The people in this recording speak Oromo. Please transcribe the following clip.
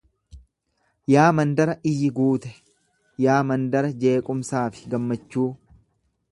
Yaa mandara iyyi guute, yaa mandara jeequmsaa fi gammachuu!